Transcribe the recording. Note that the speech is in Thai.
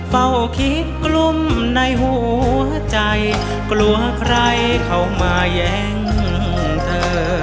เฝ้าคิดกลุ้มในหัวใจกลัวใครเข้ามาแย่งเธอ